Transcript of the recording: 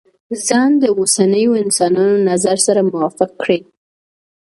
ځان د اوسنيو انسانانو نظر سره موافق کړي.